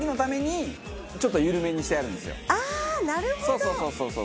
そうそうそうそう。